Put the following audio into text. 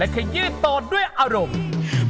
และขยืดต่อด้วยอารมณ์